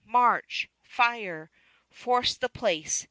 March! Fire! Force the place!"